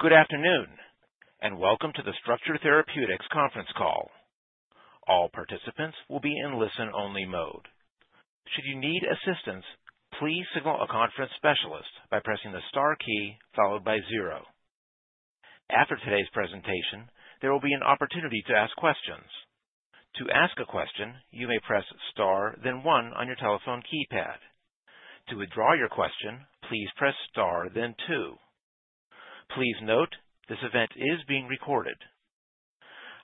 Good afternoon, and welcome to the Structure Therapeutics conference call. All participants will be in listen-only mode. Should you need assistance, please signal a conference specialist by pressing the star key followed by zero. After today's presentation, there will be an opportunity to ask questions. To ask a question, you may press star, then one on your telephone keypad. To withdraw your question, please press star, then two. Please note, this event is being recorded.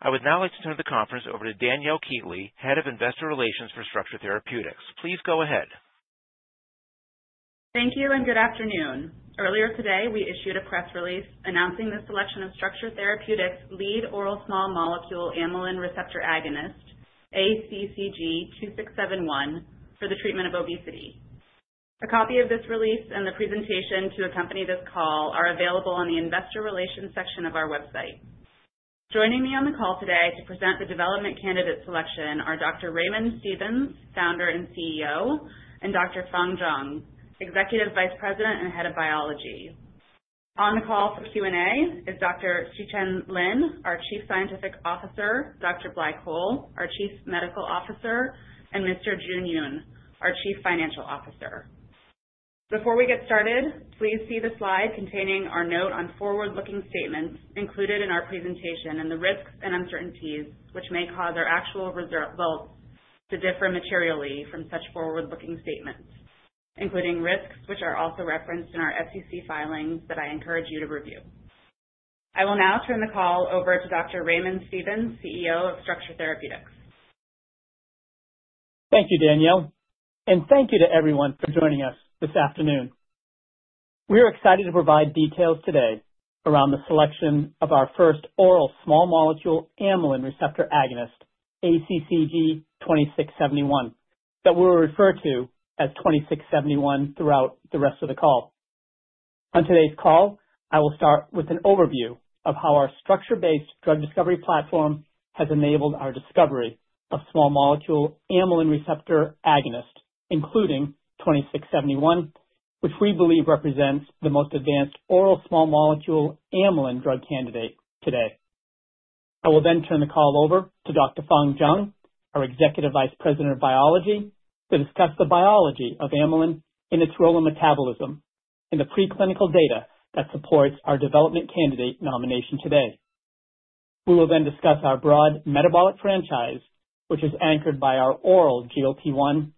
I would now like to turn the conference over to Danielle Keighley, Head of Investor Relations for Structure Therapeutics. Please go ahead. Thank you, and good afternoon. Earlier today, we issued a press release announcing the selection of Structure Therapeutics' lead oral small molecule amylin receptor agonist, ACCT-2671, for the treatment of obesity. A copy of this release and the presentation to accompany this call are available on the Investor Relations section of our website. Joining me on the call today to present the development candidate selection are Dr. Raymond Stevens, Founder and CEO, and Dr. Fang Zhang, Executive Vice President and Head of Biology. On the call for Q&A is Dr. Xichen Lin, our Chief Scientific Officer, Dr. Blai Coll, our Chief Medical Officer, and Mr. Jun Yoon, our Chief Financial Officer. Before we get started, please see the slide containing our note on forward-looking statements included in our presentation and the risks and uncertainties which may cause our actual results to differ materially from such forward-looking statements, including risks which are also referenced in our SEC filings that I encourage you to review. I will now turn the call over to Dr. Raymond Stevens, CEO of Structure Therapeutics. Thank you, Danielle, and thank you to everyone for joining us this afternoon. We are excited to provide details today around the selection of our first oral small molecule amylin receptor agonist, ACCT-2671, that we'll refer to as 2671 throughout the rest of the call. On today's call, I will start with an overview of how our structure-based drug discovery platform has enabled our discovery of small molecule amylin receptor agonist, including 2671, which we believe represents the most advanced oral small molecule amylin drug candidate today. I will then turn the call over to Dr. Fang Zhang, our Executive Vice President of Biology, to discuss the biology of amylin in its role in metabolism and the preclinical data that supports our development candidate nomination today. We will then discuss our broad metabolic franchise, which is anchored by our oral GLP-1,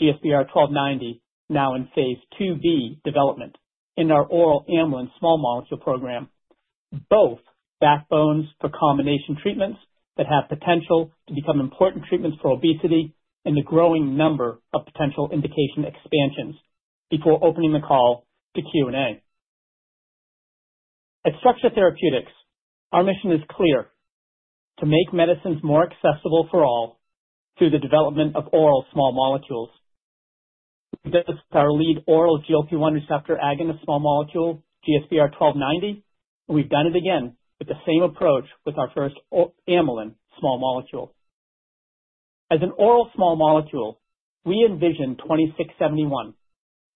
GSBR-1290, now in phase 2b development in our oral amylin small molecule program, both backbones for combination treatments that have potential to become important treatments for obesity and the growing number of potential indication expansions, before opening the call to Q&A. At Structure Therapeutics, our mission is clear: to make medicines more accessible for all through the development of oral small molecules. We've done this with our lead oral GLP-1 receptor agonist small molecule, GSBR-1290, and we've done it again with the same approach with our first amylin small molecule. As an oral small molecule, we envision 2671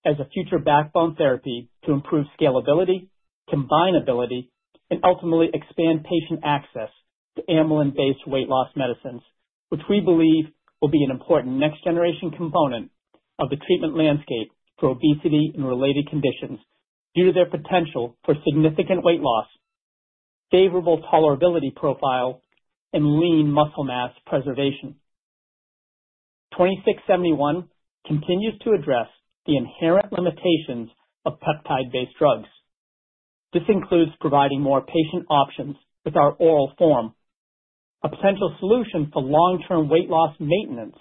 as a future backbone therapy to improve scalability, combinability, and ultimately expand patient access to amylin-based weight loss medicines, which we believe will be an important next-generation component of the treatment landscape for obesity and related conditions due to their potential for significant weight loss, favorable tolerability profile, and lean muscle mass preservation. 2671 continues to address the inherent limitations of peptide-based drugs. This includes providing more patient options with our oral form, a potential solution for long-term weight loss maintenance,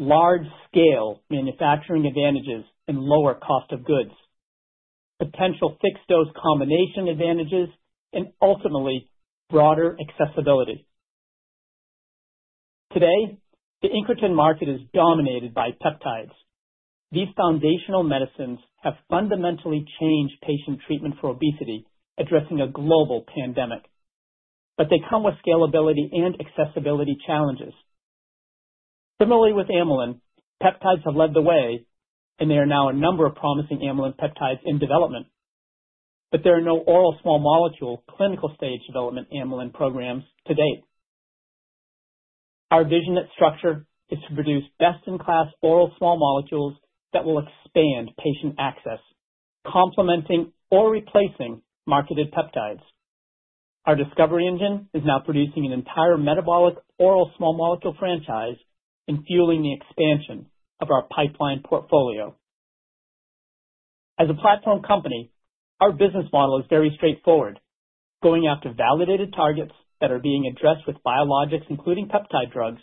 large-scale manufacturing advantages and lower cost of goods, potential fixed-dose combination advantages, and ultimately broader accessibility. Today, the incretin market is dominated by peptides. These foundational medicines have fundamentally changed patient treatment for obesity, addressing a global pandemic, but they come with scalability and accessibility challenges. Similarly, with amylin, peptides have led the way, and there are now a number of promising amylin peptides in development, but there are no oral small molecule clinical stage development amylin programs to date. Our vision at Structure is to produce best-in-class oral small molecules that will expand patient access, complementing or replacing marketed peptides. Our discovery engine is now producing an entire metabolic oral small molecule franchise and fueling the expansion of our pipeline portfolio. As a platform company, our business model is very straightforward, going after validated targets that are being addressed with biologics, including peptide drugs,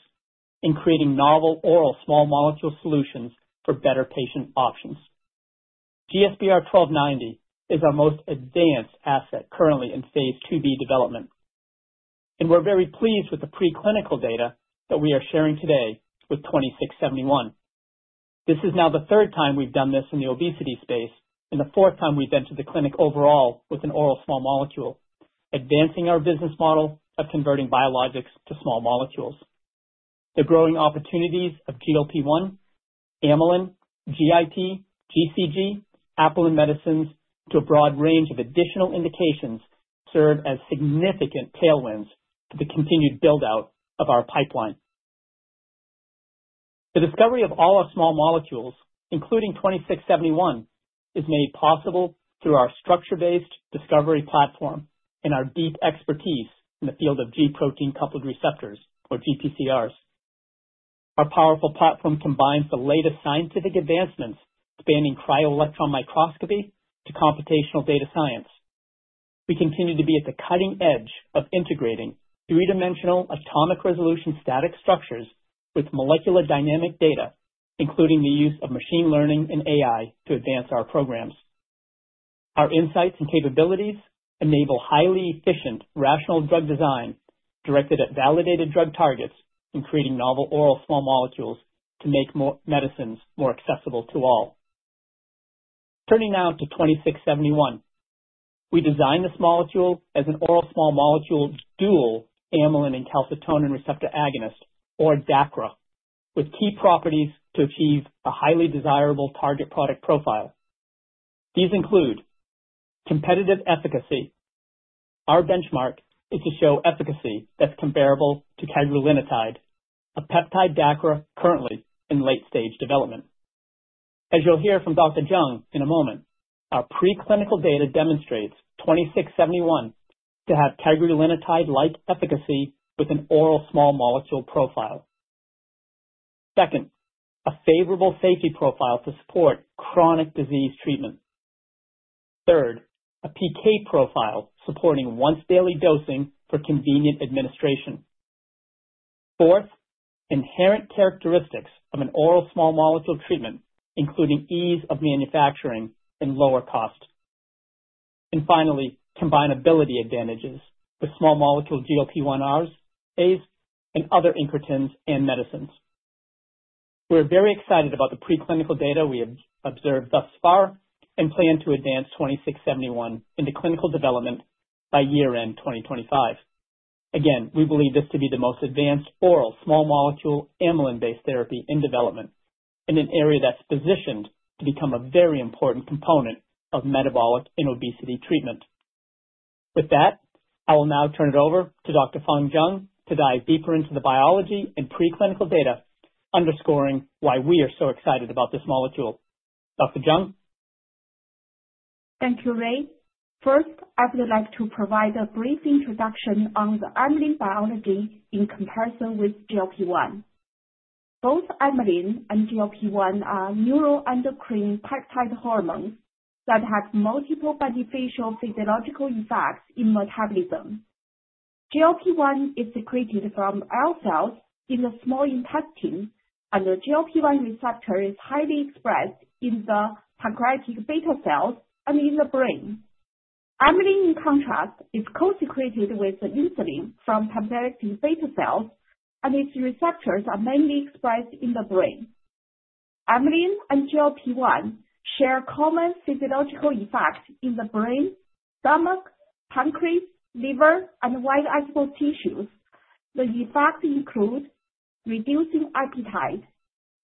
and creating novel oral small molecule solutions for better patient options. GSBR-1290 is our most advanced asset currently in phase 2b development, and we're very pleased with the preclinical data that we are sharing today with 2671. This is now the third time we've done this in the obesity space and the fourth time we've entered the clinic overall with an oral small molecule, advancing our business model of converting biologics to small molecules. The growing opportunities of GLP-1, amylin, GIP, GCG, apelin medicines, to a broad range of additional indications serve as significant tailwinds to the continued build-out of our pipeline. The discovery of all our small molecules, including 2671, is made possible through our structure-based discovery platform and our deep expertise in the field of G-protein coupled receptors, or GPCRs. Our powerful platform combines the latest scientific advancements spanning cryo-electron microscopy to computational data science. We continue to be at the cutting edge of integrating three-dimensional atomic resolution static structures with molecular dynamic data, including the use of machine learning and AI to advance our programs. Our insights and capabilities enable highly efficient rational drug design directed at validated drug targets and creating novel oral small molecules to make medicines more accessible to all. Turning now to 2671, we designed this molecule as an oral small molecule dual amylin and calcitonin receptor agonist, or DACRA, with key properties to achieve a highly desirable target product profile. These include competitive efficacy. Our benchmark is to show efficacy that's comparable to cagrilinotide, a peptide DACRA currently in late-stage development. As you'll hear from Dr. Zhang in a moment, our preclinical data demonstrates 2671 to have cagrilinotide-like efficacy with an oral small molecule profile. Second, a favorable safety profile to support chronic disease treatment. Third, a PK profile supporting once-daily dosing for convenient administration. Fourth, inherent characteristics of an oral small molecule treatment, including ease of manufacturing and lower cost. Finally, combinability advantages with small molecule GLP-1 RAs and other incretins and medicines. We're very excited about the preclinical data we have observed thus far and plan to advance 2671 into clinical development by year-end 2025. Again, we believe this to be the most advanced oral small molecule amylin-based therapy in development in an area that's positioned to become a very important component of metabolic and obesity treatment. With that, I will now turn it over to Dr. Fang Zhang to dive deeper into the biology and preclinical data, underscoring why we are so excited about this molecule. Dr. Zhang? Thank you, Ray. First, I would like to provide a brief introduction on the amylin biology in comparison with GLP-1. Both amylin and GLP-1 are neuroendocrine peptide hormones that have multiple beneficial physiological effects in metabolism. GLP-1 is secreted from L cells in the small intestine, and the GLP-1 receptor is highly expressed in the pancreatic beta cells and in the brain. Amylin, in contrast, is co-secreted with insulin from pancreatic beta cells, and its receptors are mainly expressed in the brain. Amylin and GLP-1 share common physiological effects in the brain, stomach, pancreas, liver, and white adipose tissues. The effects include reducing appetite,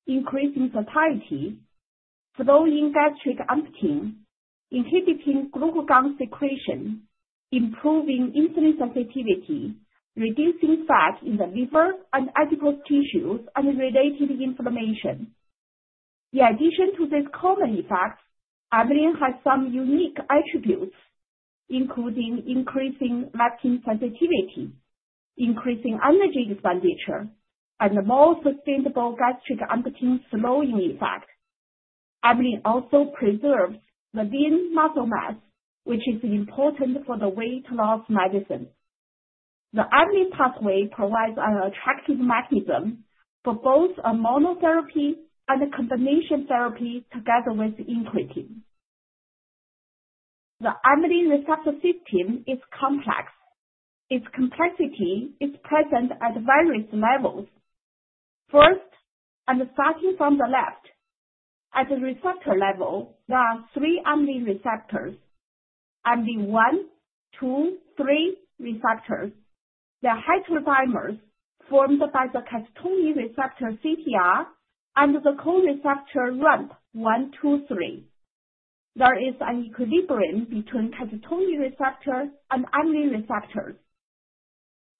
increasing satiety, slowing gastric emptying, inhibiting glucagon secretion, improving insulin sensitivity, reducing fat in the liver and adipose tissues, and related inflammation. In addition to these common effects, amylin has some unique attributes, including increasing leptin sensitivity, increasing energy expenditure, and a more sustainable gastric emptying slowing effect. Amylin also preserves the lean muscle mass, which is important for the weight loss medicine. The amylin pathway provides an attractive mechanism for both a monotherapy and a combination therapy together with incretin. The amylin receptor system is complex. Its complexity is present at various levels. First, and starting from the left, at the receptor level, there are three amylin receptors: amylin one, two, and three receptors. They are heterodimers formed by the calcitonin receptor CTR and the co-receptor RAMP one, two, three. There is an equilibrium between calcitonin receptor and amylin receptors.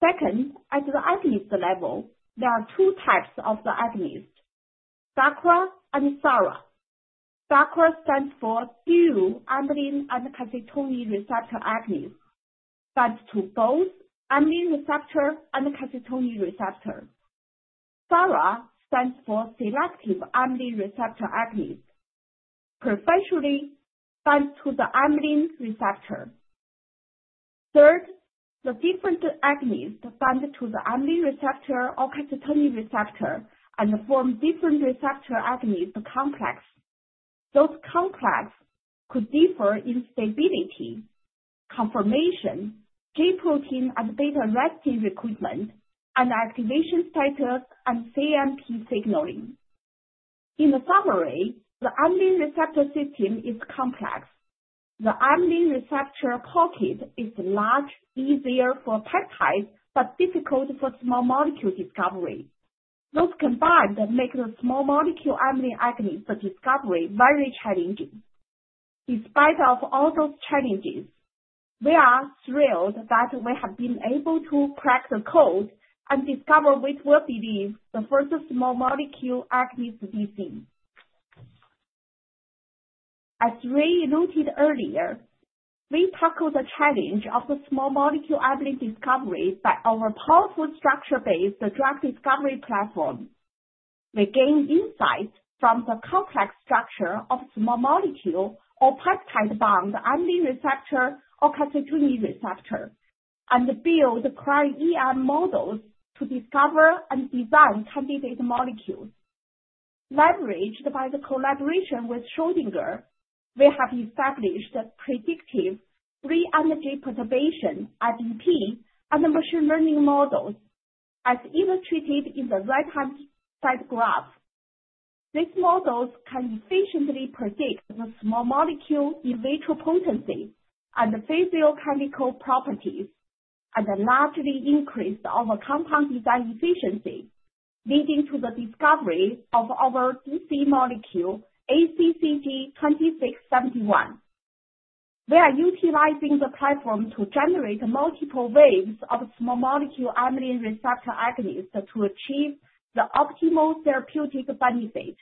Second, at the agonist level, there are two types of the agonist: DACRA and SARA. DACRA stands for dual amylin and calcitonin receptor agonist, binds to both amylin receptor and calcitonin receptor. SARA stands for selective amylin receptor agonist, preferentially binds to the amylin receptor. Third, the different agonists bind to the amylin receptor or calcitonin receptor and form different receptor agonist complex. Those complex could differ in stability, conformation, G protein and beta-arrestin recruitment, and activation status and cAMP signaling. In summary, the amylin receptor system is complex. The amylin receptor pocket is large, easier for peptides, but difficult for small molecule discovery. Those combined make the small molecule amylin agonist discovery very challenging. Despite all those challenges, we are thrilled that we have been able to crack the code and discover what we believe is the first small molecule amylin agonist. As Ray noted earlier, we tackled the challenge of the small molecule amylin discovery by our powerful structure-based drug discovery platform. We gained insights from the complex structure of small molecule or peptide-bound amylin receptor or calcitonin receptor and built cryo-EM models to discover and design candidate molecules. Leveraged by the collaboration with Schrödinger, we have established predictive free energy perturbation (FEP) and machine learning models, as illustrated in the right-hand side graph. These models can efficiently predict the small molecule's in vitro potency and physicochemical properties and largely increase our compound design efficiency, leading to the discovery of our lead molecule ACCT-2671. We are utilizing the platform to generate multiple waves of small molecule amylin receptor agonists to achieve the optimal therapeutic benefit.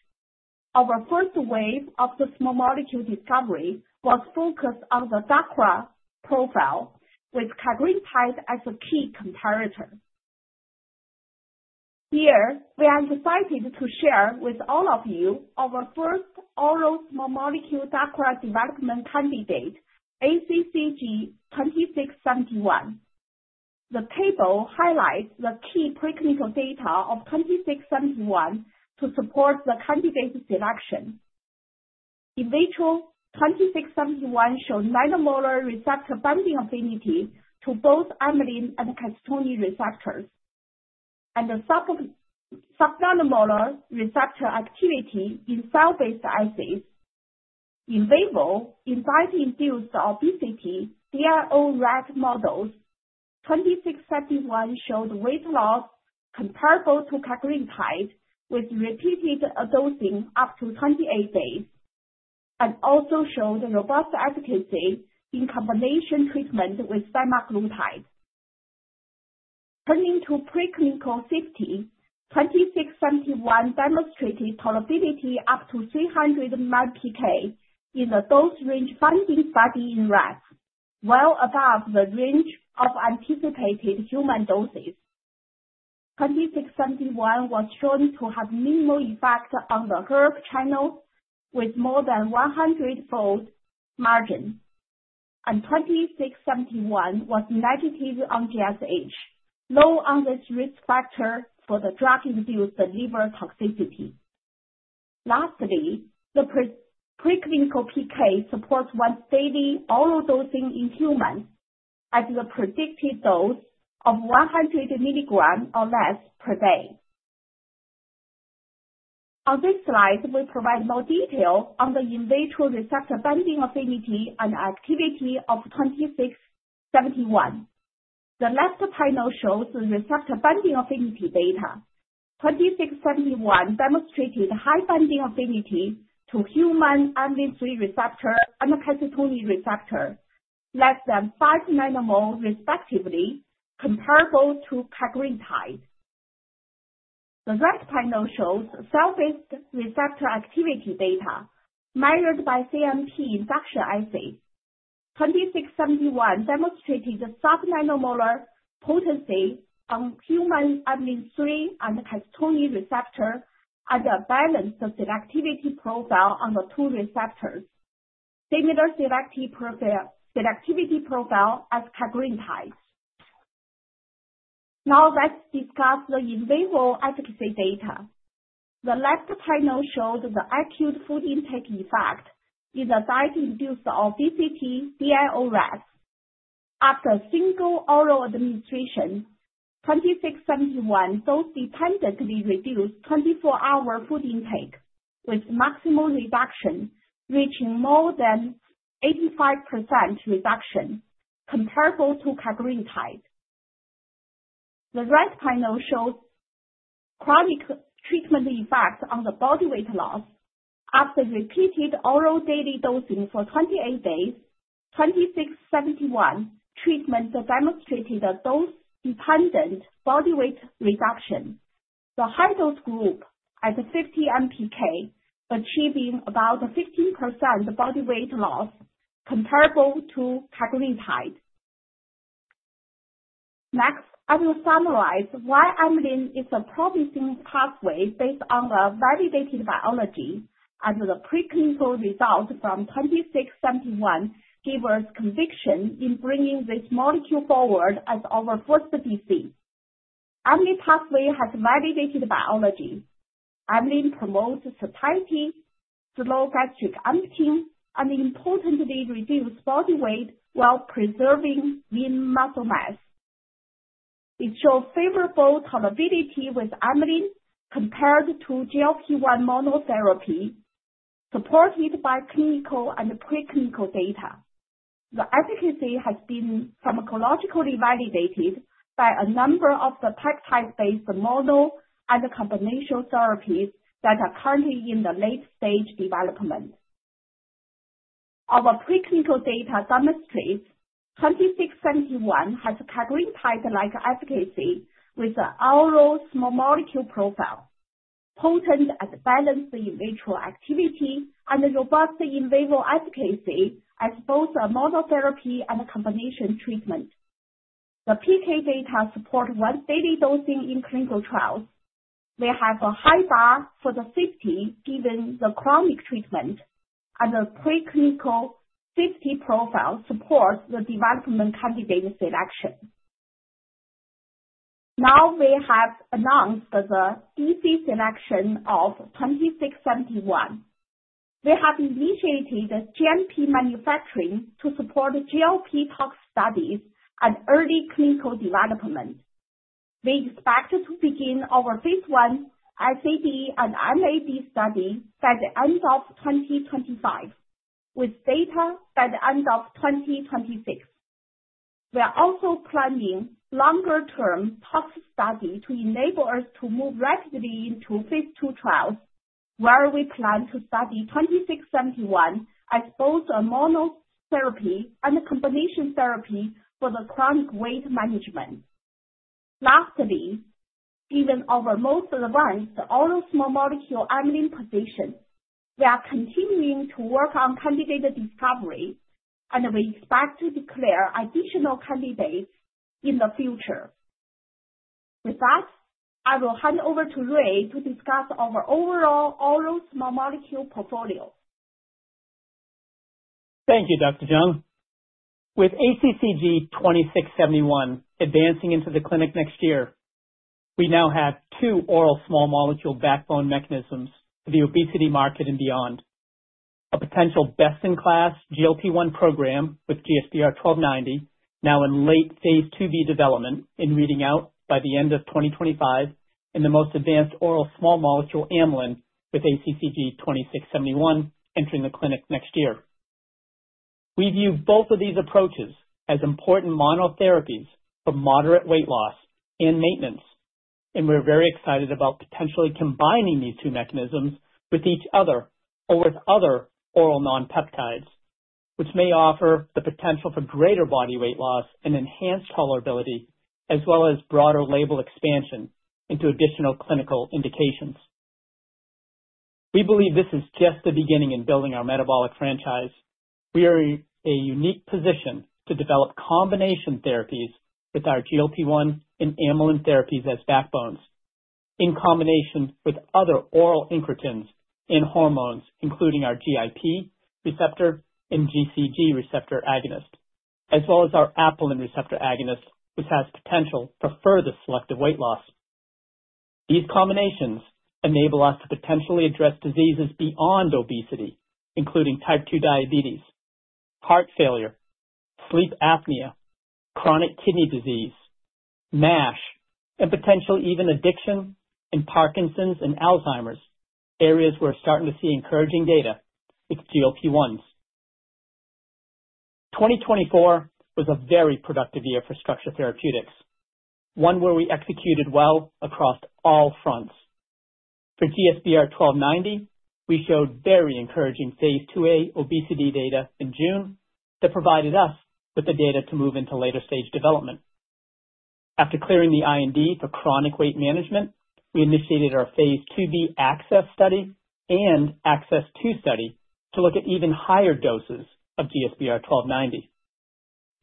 Our first wave of the small molecule discovery was focused on the DACRA profile with cagrilinotide as a key comparator. Here, we are excited to share with all of you our first oral small molecule DACRA development candidate, ACCT-2671. The table highlights the key preclinical data of 2671 to support the candidate selection. In vitro, 2671 showed nanomolar receptor binding affinity to both amylin and calcitonin receptors and subnanomolar receptor activity in cell-based assays. In vivo and diet-induced obesity DIO rat models, 2671 showed weight loss comparable to cagrilinotide with repeated dosing up to 28 days and also showed robust efficacy in combination treatment with semaglutide. Turning to preclinical safety, 2671 demonstrated tolerability up to 300 mg/kg in the dose range binding study in rats, well above the range of anticipated human doses. 2671 was shown to have minimal effect on the hERG channel with more than 100-fold margin, and 2671 was negative on GSH, low on this risk factor for the drug-induced liver toxicity. Lastly, the preclinical PK supports once-daily oral dosing in humans at the predicted dose of 100 milligrams or less per day. On this slide, we provide more detail on the in vitro receptor binding affinity and activity of 2671. The left panel shows the receptor binding affinity data. 2671 demonstrated high binding affinity to human amylin receptor and calcitonin receptor, less than five nanomolar respectively, comparable to cagrilinotide. The right panel shows cell-based receptor activity data measured by cAMP induction assays. 2671 demonstrated subnanomolar potency on human amylin and calcitonin receptor and a balanced selectivity profile on the two receptors, similar selectivity profile as cagrilinotide. Now, let's discuss the in vivo efficacy data. The left panel showed the acute food intake effect in the diet-induced obesity DIO rat. After single oral administration, 2671 dose-dependently reduced 24-hour food intake with maximum reduction reaching more than 85% reduction, comparable to cagrilinotide. The right panel shows chronic treatment effects on the body weight loss. After repeated oral daily dosing for 28 days, 2671 treatment demonstrated a dose-dependent body weight reduction. The high-dose group at 50 mpk achieved about 15% body weight loss, comparable to cagrilinotide. Next, I will summarize why amylin is a promising pathway based on the validated biology, and the preclinical results from 2671 give us conviction in bringing this molecule forward as our first disease. Amylin pathway has validated biology. Amylin promotes satiety, slow gastric emptying, and importantly reduces body weight while preserving lean muscle mass. It shows favorable tolerability with amylin compared to GLP-1 monotherapy, supported by clinical and preclinical data. The efficacy has been pharmacologically validated by a number of the peptide-based mono and combination therapies that are currently in the late-stage development. Our preclinical data demonstrates 2671 has cagrilinotide-like efficacy with the oral small molecule profile, potent at balanced in vitro activity and robust in vivo efficacy as both a monotherapy and a combination treatment. The PK data supports once-daily dosing in clinical trials. We have a high bar for the safety given the chronic treatment, and the preclinical safety profile supports the development candidate selection. Now, we have announced the DC selection of 2671. We have initiated GMP manufacturing to support GLP-tox studies and early clinical development. We expect to begin our phase I SAD and MAD study by the end of 2025, with data by the end of 2026. We are also planning longer-term tox study to enable us to move rapidly into phase II trials, where we plan to study 2671 as both a monotherapy and a combination therapy for the chronic weight management. Lastly, given our most advanced oral small molecule amylin position, we are continuing to work on candidate discovery, and we expect to declare additional candidates in the future. With that, I will hand over to Ray to discuss our overall oral small molecule portfolio. Thank you, Dr. Fang. With ACCT-2671 advancing into the clinic next year, we now have two oral small molecule backbone mechanisms for the obesity market and beyond. A potential best-in-class GLP-1 program with GSBR-1290 now in late phase 2b development and reading out by the end of 2025 in the most advanced oral small molecule amylin with ACCT-2671 entering the clinic next year. We view both of these approaches as important monotherapies for moderate weight loss and maintenance, and we're very excited about potentially combining these two mechanisms with each other or with other oral non-peptides, which may offer the potential for greater body weight loss and enhanced tolerability, as well as broader label expansion into additional clinical indications. We believe this is just the beginning in building our metabolic franchise. We are in a unique position to develop combination therapies with our GLP-1 and amylin therapies as backbones, in combination with other oral incretins and hormones, including our GIP receptor and GCG receptor agonist, as well as our apelin receptor agonist, which has potential for further selective weight loss. These combinations enable us to potentially address diseases beyond obesity, including type 2 diabetes, heart failure, sleep apnea, chronic kidney disease, MASH, and potentially even addiction and Parkinson's and Alzheimer's, areas we're starting to see encouraging data with GLP-1s. 2024 was a very productive year for Structure Therapeutics, one where we executed well across all fronts. For GSBR-1290, we showed very encouraging phase 2a obesity data in June that provided us with the data to move into later-stage development. After clearing the IND for chronic weight management, we initiated our phase 2b ACCESS study and ACCESS II study to look at even higher doses of GSBR-1290.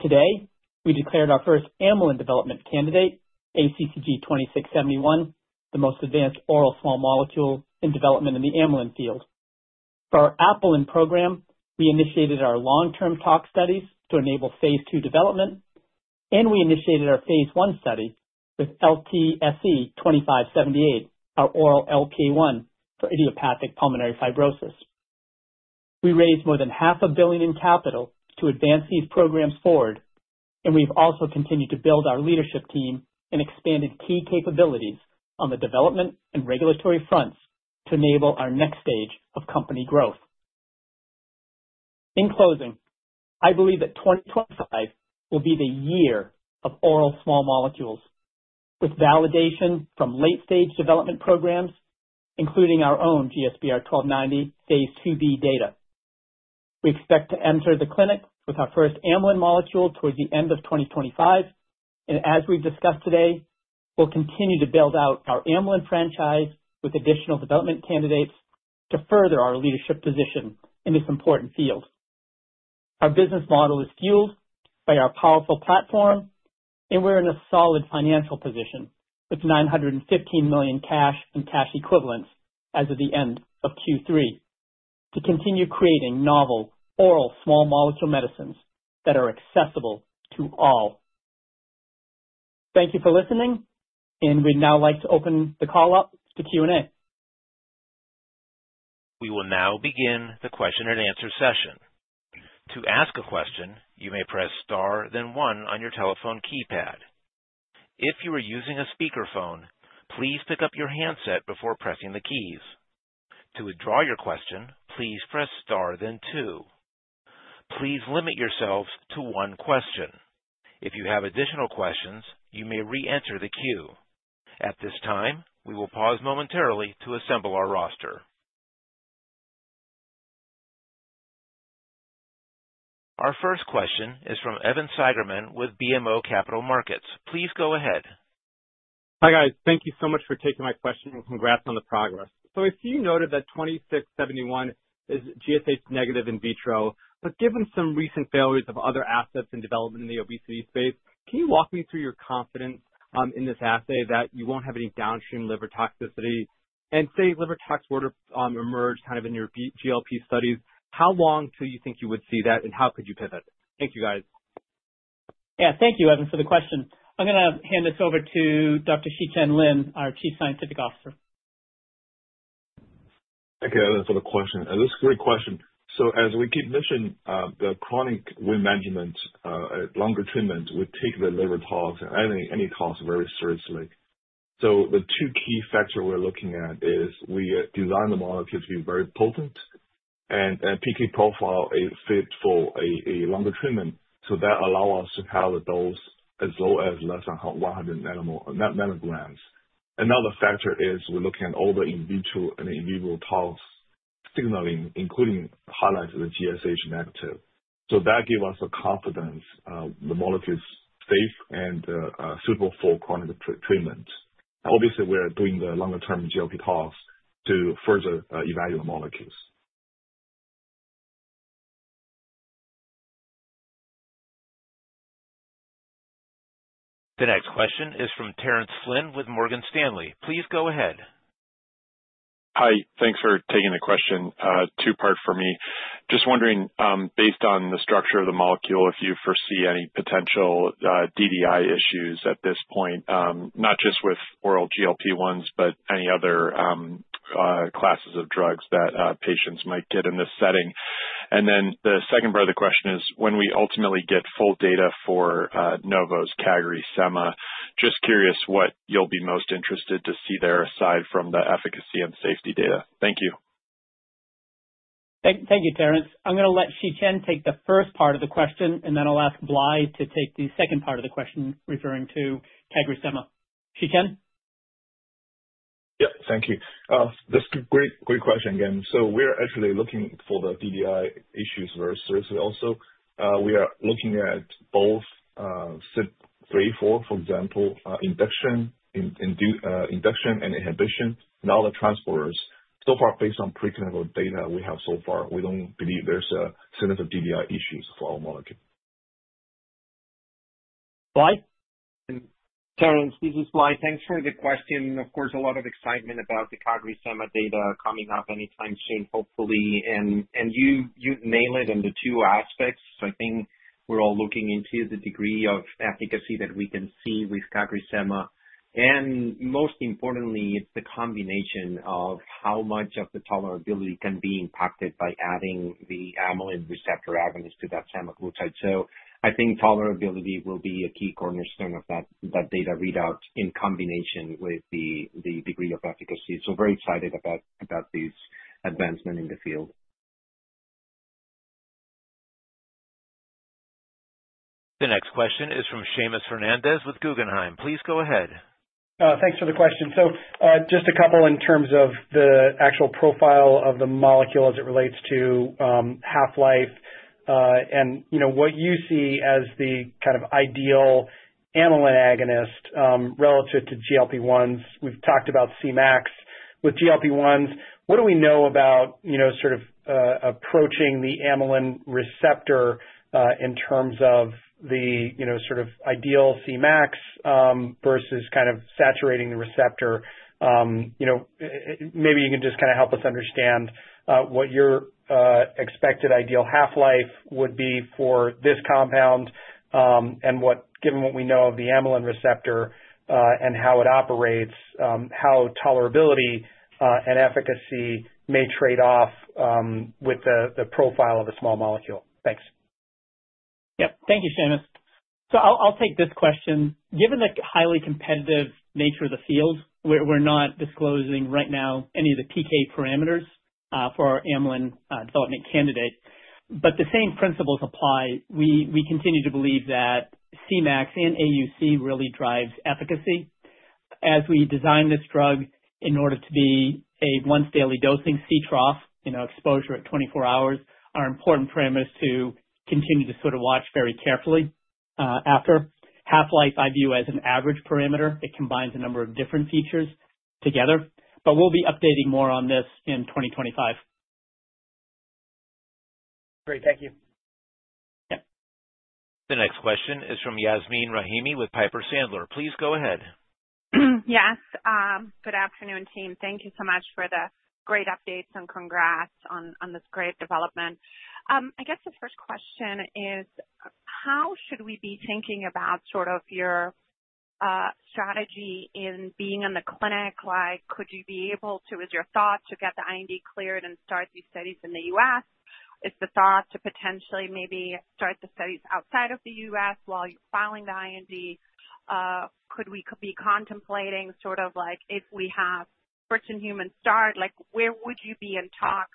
Today, we declared our first amylin development candidate, ACCT-2671, the most advanced oral small molecule in development in the amylin field. For our apelin program, we initiated our long-term tox studies to enable phase II development, and we initiated our phase I study with LTSE-2578, our oral LPA1 for idiopathic pulmonary fibrosis. We raised more than $500 million in capital to advance these programs forward, and we've also continued to build our leadership team and expanded key capabilities on the development and regulatory fronts to enable our next stage of company growth. In closing, I believe that 2025 will be the year of oral small molecules with validation from late-stage development programs, including our own GSBR-1290 phase IIB data. We expect to enter the clinic with our first amylin molecule towards the end of 2025, and as we've discussed today, we'll continue to build out our amylin franchise with additional development candidates to further our leadership position in this important field. Our business model is fueled by our powerful platform, and we're in a solid financial position with $915 million cash and cash equivalents as of the end of Q3 to continue creating novel oral small molecule medicines that are accessible to all. Thank you for listening, and we'd now like to open the call up to Q&A. We will now begin the question-and-answer session. To ask a question, you may press star, then one on your telephone keypad. If you are using a speakerphone, please pick up your handset before pressing the keys. To withdraw your question, please press star, then two. Please limit yourselves to one question. If you have additional questions, you may re-enter the queue. At this time, we will pause momentarily to assemble our roster. Our first question is from Evan Sagerman with BMO Capital Markets. Please go ahead. Hi guys. Thank you so much for taking my question and congrats on the progress. So I see you noted that 2671 is GSH negative in vitro, but given some recent failures of other assets in development in the obesity space, can you walk me through your confidence in this assay that you won't have any downstream liver toxicity? And say liver tox emerged kind of in your GLP studies, how long do you think you would see that, and how could you pivot? Thank you, guys. Yeah, thank you, Evan, for the question. I'm going to hand this over to Dr. Xichen Lin, our Chief Scientific Officer. Thank you, Evan, for the question. This is a great question. So as we keep mentioning, the chronic weight management, longer treatment would take the liver tox and any tox very seriously. So the two key factors we're looking at is we design the molecule to be very potent and PK profile is fit for a longer treatment. So that allows us to have a dose as low as less than 100 nanograms. Another factor is we're looking at all the in vitro and in vivo tox signaling, including highlighting the GSH negative. So that gives us the confidence the molecule is safe and suitable for chronic treatment. Obviously, we're doing the longer-term GLP tox to further evaluate the molecules. The next question is from Terrence Flynn with Morgan Stanley. Please go ahead. Hi, thanks for taking the question. Two-part for me. Just wondering, based on the structure of the molecule, if you foresee any potential DDI issues at this point, not just with oral GLP-1s, but any other classes of drugs that patients might get in this setting. And then the second part of the question is, when we ultimately get full data for Novo's CagriSema, just curious what you'll be most interested to see there aside from the efficacy and safety data. Thank you. Thank you, Terrence. I'm going to let Xichen take the first part of the question, and then I'll ask Blai to take the second part of the question referring to CagriSema. Xichen? Yep, thank you. This is a great question, again. So we're actually looking for the DDI issues very seriously also. We are looking at both CYP3A4, for example, induction and inhibition, and all the transporters. So far, based on preclinical data we have so far, we don't believe there's a significant DDI issues for our molecule. Blai? Terrence, this is Blai. Thanks for the question. Of course, a lot of excitement about the CagriSema data coming up anytime soon, hopefully. You nailed it in the two aspects. I think we're all looking into the degree of efficacy that we can see with CagriSema. Most importantly, the combination of how much of the tolerability can be impacted by adding the amylin receptor agonist to that semaglutide. I think tolerability will be a key cornerstone of that data readout in combination with the degree of efficacy. Very excited about this advancement in the field. The next question is from Seamus Fernandez with Guggenheim. Please go ahead. Thanks for the question. Just a couple in terms of the actual profile of the molecule as it relates to half-life and what you see as the kind of ideal amylin agonist relative to GLP-1s. We've talked about CMAX. With GLP-1s, what do we know about sort of approaching the amylin receptor in terms of the sort of ideal CMAX versus kind of saturating the receptor? Maybe you can just kind of help us understand what your expected ideal half-life would be for this compound and given what we know of the amylin receptor and how it operates, how tolerability and efficacy may trade off with the profile of a small molecule? Thanks. Yep, thank you, Seamus. So I'll take this question. Given the highly competitive nature of the field, we're not disclosing right now any of the PK parameters for our amylin development candidate. But the same principles apply. We continue to believe that CMAX and AUC really drive efficacy. As we design this drug in order to be a once-daily dosing C-trough, exposure at 24 hours are our important parameters to continue to sort of watch very carefully after. Half-life I view as an average parameter. It combines a number of different features together. But we'll be updating more on this in 2025. Great, thank you. The next question is from Yasmeen Rahimi with Piper Sandler. Please go ahead. Yes, good afternoon, team. Thank you so much for the great updates and congrats on this great development. I guess the first question is, how should we be thinking about sort of your strategy in being in the clinic? Could you be able to, is your thought to get the IND cleared and start these studies in the US? Is the thought to potentially maybe start the studies outside of the US while you're filing the IND? Could we be contemplating sort of like if we have first-in-human start, where would you be in tox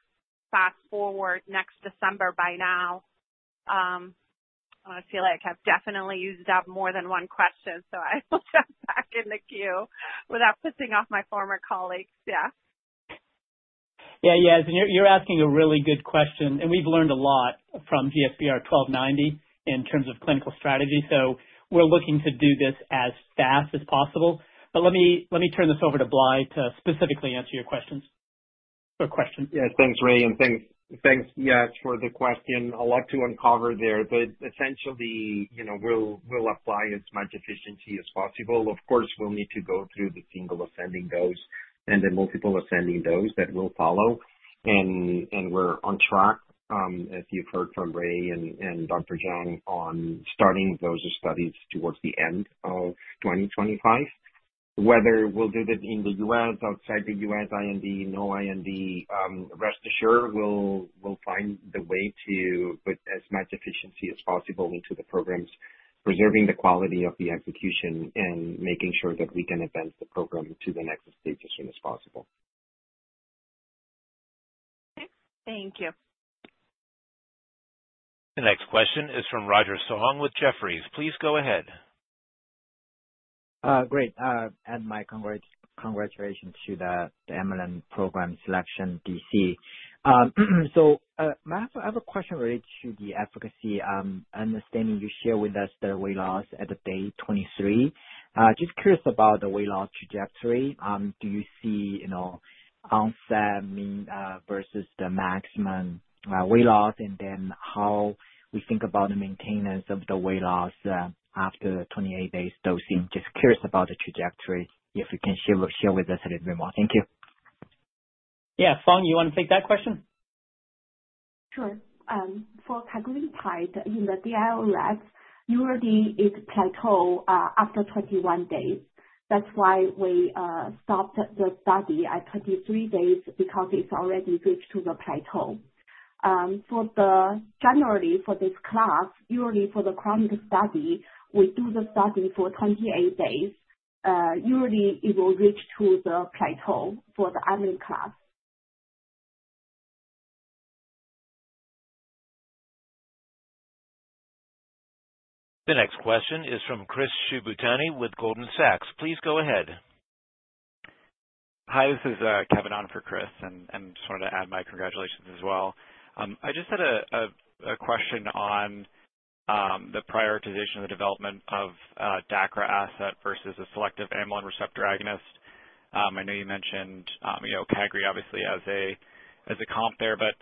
fast forward next December by now? I feel like I've definitely used up more than one question, so I will jump back in the queue without pissing off my former colleagues. Yeah. Yeah, Yasmeen, you're asking a really good question, and we've learned a lot from GSBR-1290 in terms of clinical strategy. We're looking to do this as fast as possible. Let me turn this over to Blai to specifically answer your questions or question. Yeah, thanks, Ray. Thanks, Yasmeen, for the question. A lot to uncover there. Essentially, we'll apply as much efficiency as possible. Of course, we'll need to go through the single ascending dose and the multiple ascending dose that will follow. We're on track, as you've heard from Ray and Dr. Fang, on starting those studies towards the end of 2025. Whether we'll do this in the US, outside the US, IND, no IND, rest assured we'll find the way to put as much efficiency as possible into the programs, preserving the quality of the execution and making sure that we can advance the program to the next stage as soon as possible. Okay, thank you. The next question is from Roger Song with Jefferies. Please go ahead. Great. And my congratulations to the amylin program selection DC. So I have a question related to the efficacy understanding you shared with us, the weight loss at day 23. Just curious about the weight loss trajectory. Do you see onset versus the maximum weight loss, and then how we think about the maintenance of the weight loss after 28 days dosing? Just curious about the trajectory if you can share with us a little bit more. Thank you. Yeah, Fang, you want to take that question? Sure. For cagrilinotide, in the DIOs, usually it plateaus after 21 days. That's why we stopped the study at 23 days because it's already reached the plateau. Generally, for this class, usually for the chronic study, we do the study for 28 days. Usually, it will reach to the plateau for the amylin class. The next question is from Chris Shibutani with Goldman Sachs.Please go ahead. Hi, this is Kevin Otten for Chris, and just wanted to add my congratulations as well. I just had a question on the prioritization of the development of DACRA asset versus a selective amylin receptor agonist. I know you mentioned cagrilinotide, obviously, as a comp there, but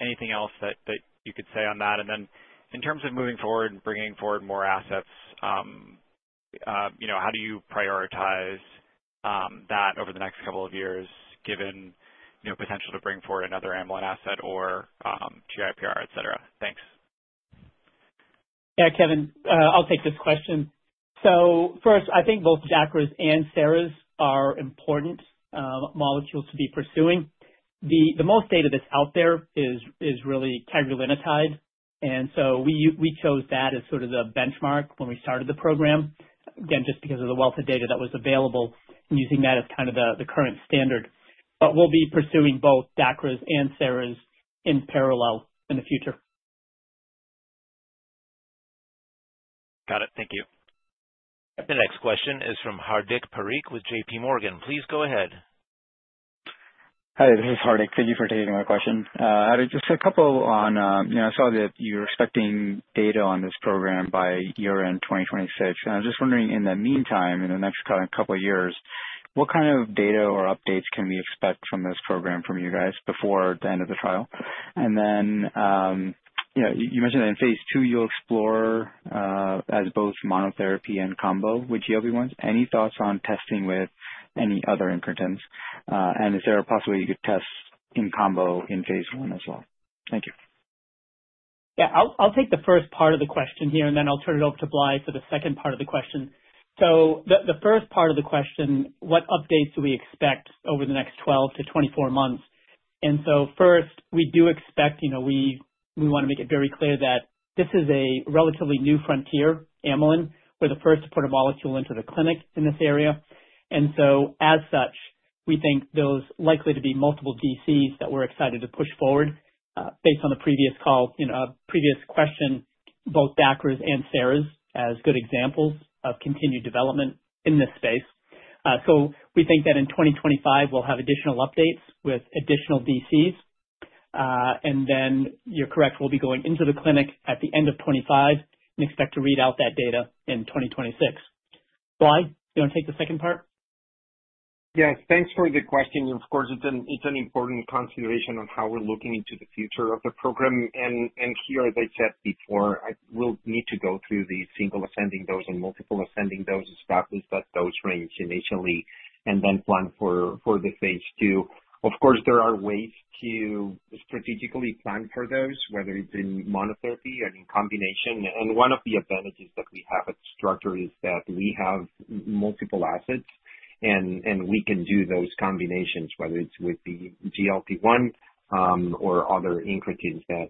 anything else that you could say on that? And then in terms of moving forward and bringing forward more assets, how do you prioritize that over the next couple of years given potential to bring forward another amylin asset or GIPR, etc.? Thanks. Yeah, Kevin, I'll take this question. So first, I think both DACRAs and SERAs are important molecules to be pursuing. The most data that's out there is really Cagrilinotide. And so we chose that as sort of the benchmark when we started the program, again, just because of the wealth of data that was available and using that as kind of the current standard. But we'll be pursuing both DACRAs and SERAs in parallel in the future. Got it. Thank you. The next question is from Hardik Parikh with JP Morgan. Please go ahead. Hi, this is Hardik. Thank you for taking my question. Just a couple on. I saw that you're expecting data on this program by year-end 2026. And I'm just wondering, in the meantime, in the next couple of years, what kind of data or updates can we expect from this program from you guys before the end of the trial? And then you mentioned that in phase two, you'll explore as both monotherapy and combo with GLP-1s. Any thoughts on testing with any other incretins? And is there a possibility you could test in combo in phase one as well? Thank you. Yeah, I'll take the first part of the question here, and then I'll turn it over to Blai for the second part of the question. So the first part of the question, what updates do we expect over the next 12 to 24 months? First, we do expect we want to make it very clear that this is a relatively new frontier amylin. We're the first to put a molecule into the clinic in this area. As such, we think those likely to be multiple DCs that we're excited to push forward based on the previous call, previous question, both DACRAs and SERAs as good examples of continued development in this space. We think that in 2025, we'll have additional updates with additional DCs. You're correct, we'll be going into the clinic at the end of 2025 and expect to read out that data in 2026. Blai, do you want to take the second part? Yes, thanks for the question. Of course, it's an important consideration on how we're looking into the future of the program. Here, as I said before, we'll need to go through the single ascending dose and multiple ascending doses to establish that dose range initially and then plan for the phase two. Of course, there are ways to strategically plan for those, whether it's in monotherapy or in combination. One of the advantages that we have at Structure is that we have multiple assets, and we can do those combinations, whether it's with the GLP-1 or other incretins that,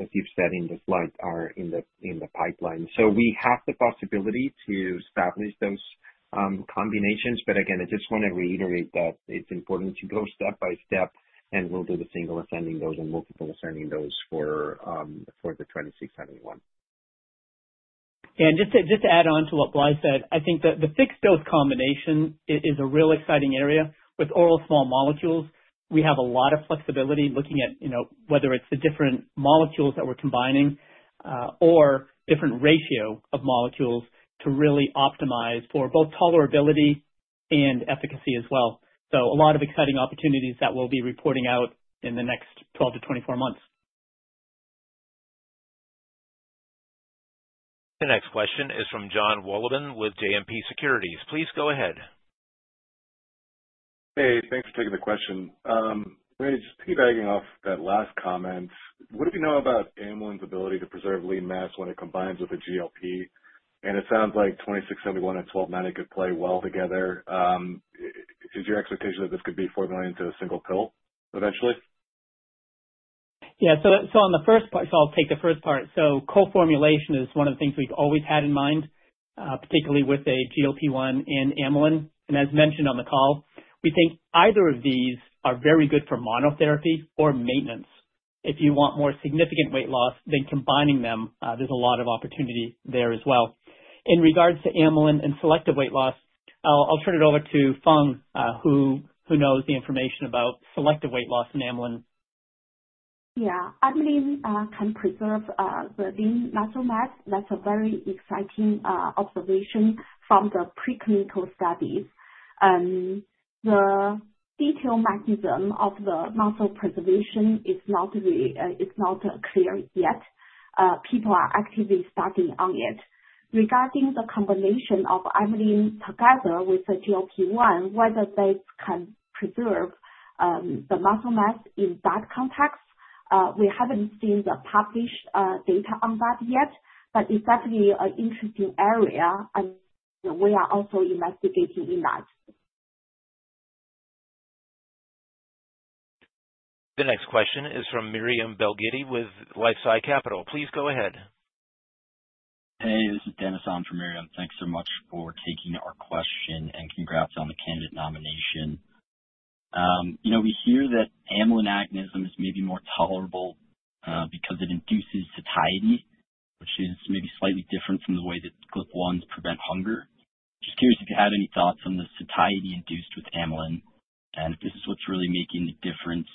as you've said in the slide, are in the pipeline. So we have the possibility to establish those combinations. Again, I just want to reiterate that it's important to go step by step, and we'll do the single ascending dose and multiple ascending dose for the 2671. Just to add on to what Blai said, I think the fixed dose combination is a real exciting area. With oral small molecules, we have a lot of flexibility looking at whether it's the different molecules that we're combining or different ratio of molecules to really optimize for both tolerability and efficacy as well. So a lot of exciting opportunities that we'll be reporting out in the next 12 to 24 months. The next question is from Jonathan Wolleben with JMP Securities. Please go ahead. Hey, thanks for taking the question. Ray, just piggybacking off that last comment, what do we know about amylin's ability to preserve lean mass when it combines with a GLP? And it sounds like 2671 and 1290 could play well together. Is your expectation that this could be formulated into a single pill eventually? Yeah, so on the first part, so I'll take the first part. Co-formulation is one of the things we've always had in mind, particularly with a GLP-1 and amylin. As mentioned on the call, we think either of these are very good for monotherapy or maintenance. If you want more significant weight loss, then combining them, there's a lot of opportunity there as well. In regards to amylin and selective weight loss, I'll turn it over to Fang, who knows the information about selective weight loss and amylin. Yeah, amylin can preserve the lean muscle mass. That's a very exciting observation from the preclinical studies. The detailed mechanism of the muscle preservation is not clear yet. People are actively studying on it. Regarding the combination of amylin together with the GLP-1, whether they can preserve the muscle mass in that context, we haven't seen the published data on that yet, but it's definitely an interesting area, and we are also investigating in that. The next question is from Miriam Belgiddi with LifeSci Capital. Please go ahead. Hey, this is Dennis Otten for Miriam. Thanks so much for taking our question and congrats on the candidate nomination. We hear that amylin agonism is maybe more tolerable because it induces satiety, which is maybe slightly different from the way that GLP-1s prevent hunger. Just curious if you had any thoughts on the satiety induced with amylin and if this is what's really making the difference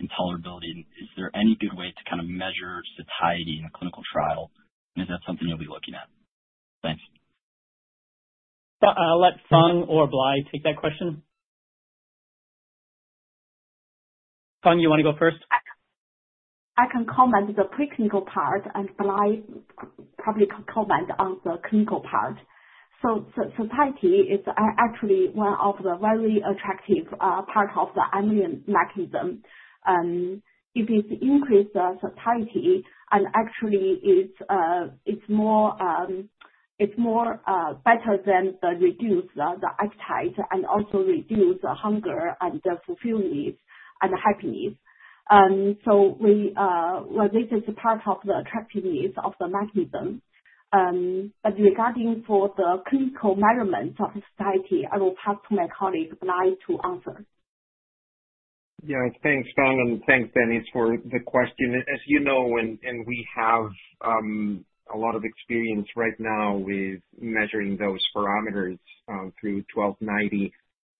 in tolerability. Is there any good way to kind of measure satiety in a clinical trial? And is that something you'll be looking at? Thanks. I'll let Fang or Blai take that question. Fang, you want to go first? I can comment on the preclinical part, and Blai probably can comment on the clinical part, so satiety is actually one of the very attractive parts of the amylin mechanism. If it increases satiety, and actually, it's better than the reduced appetite and also reduced hunger and fulfilled needs and happiness, so this is part of the attractiveness of the mechanism, but regarding for the clinical measurements of satiety, I will pass to my colleague Blai to answer. Yeah, thanks, Fang, and thanks, Dennis, for the question. As you know, and we have a lot of experience right now with measuring those parameters through 1290.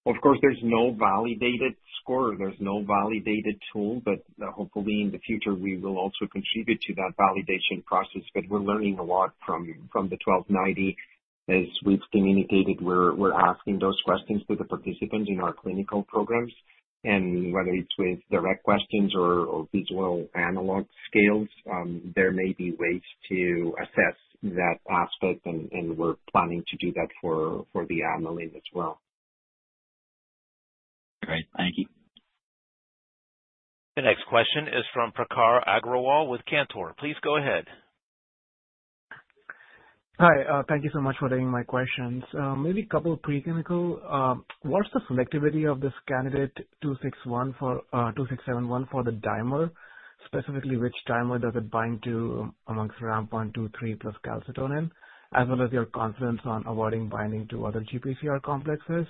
Of course, there's no validated score. There's no validated tool, but hopefully, in the future, we will also contribute to that validation process, but we're learning a lot from the 1290. As we've communicated, we're asking those questions to the participants in our clinical programs. And whether it's with direct questions or visual analog scales, there may be ways to assess that aspect, and we're planning to do that for the amylin as well. Great. Thank you. The next question is from Prakhar Agrawal with Cantor. Please go ahead. Hi, thank you so much for taking my questions. Maybe a couple of preclinical. What's the selectivity of this candidate 2671 for the dimer? Specifically, which dimer does it bind to amongst RAMP1, 2, 3, plus calcitonin, as well as your confidence on avoiding binding to other GPCR complexes?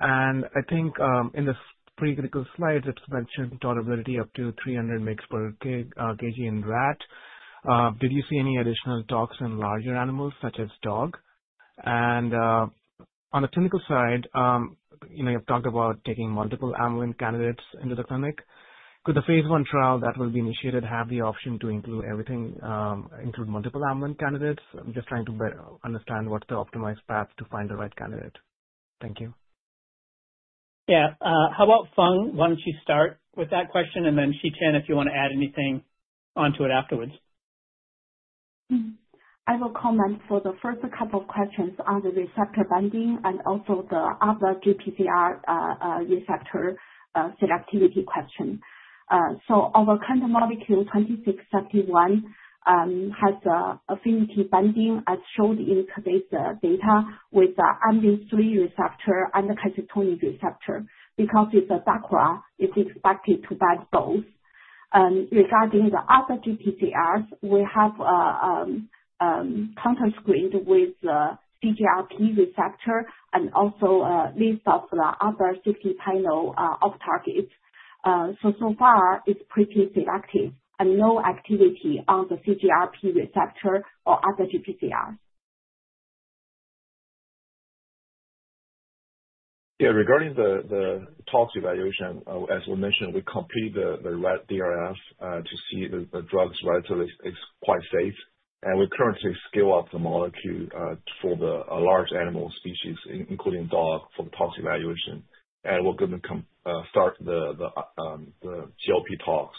And I think in the preclinical slides, it's mentioned tolerability up to 300 mg/kg in rat. Did you see any additional tox in larger animals, such as dog? And on the clinical side, you've talked about taking multiple amylin candidates into the clinic. Could the phase 1 trial that will be initiated have the option to include multiple amylin candidates? I'm just trying to understand what's the optimized path to find the right candidate. Thank you. Yeah, how about Fang? Why don't you start with that question, and then Xichen, if you want to add anything onto it afterwards? I will comment for the first couple of questions on the receptor binding and also the other GPCR receptor selectivity question. So our current molecule, 2671, has affinity binding, as shown in today's data, with the amylin-3 receptor and the calcitonin receptor because it's a DACRA. It's expected to bind both. Regarding the other GPCRs, we have counter-screened with the CGRP receptor and also a list of the other 50-panel off-targets. So far, it's pretty selective and no activity on the CGRP receptor or other GPCRs. Yeah, regarding the tox evaluation, as we mentioned, we complete the rat DRF to see if the drug's relatively quite safe. And we currently scale up the molecule for the large animal species, including dog, for the tox evaluation. And we're going to start the GLP tox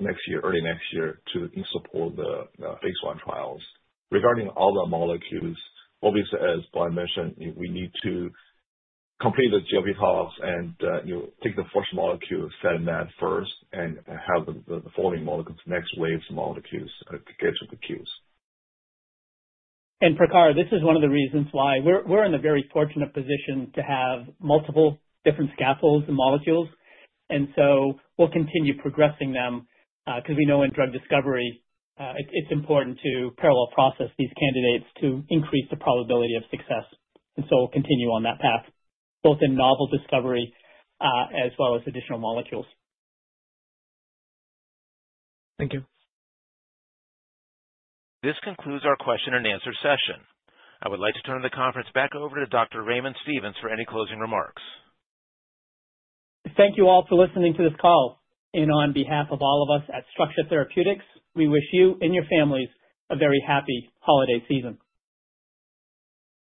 next year, early next year, to support the phase one trials. Regarding other molecules, obviously, as Blai mentioned, we need to complete the GLP tox and take the first molecule, ACCT-2671, first, and have the following molecules, next wave molecules, get to the queues. And Prakhar, this is one of the reasons why we're in a very fortunate position to have multiple different scaffolds and molecules. And so we'll continue progressing them because we know in drug discovery, it's important to parallel process these candidates to increase the probability of success. And so we'll continue on that path, both in novel discovery as well as additional molecules. Thank you. This concludes our question-and-answer session. I would like to turn the conference back over to Dr. Raymond Stevens for any closing remarks. Thank you all for listening to this call. And on behalf of all of us at Structure Therapeutics, we wish you and your families a very happy holiday season.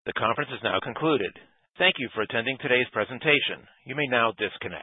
The conference is now concluded. Thank you for attending today's presentation. You may now disconnect.